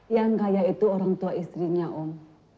yang kaya itu orang tua istrinya om